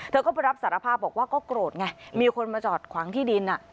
เธอก็ไปรับสารภาพบอกว่าก็โกรธไงมีคนมาจอดขวางที่ดิน